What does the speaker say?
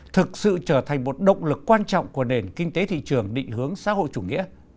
thực sự trở thành một động lực quan trọng của nền kinh tế thị trường định hướng xã hội chủ nghĩa